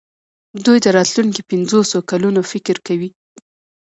دوی د راتلونکو پنځوسو کلونو فکر کوي.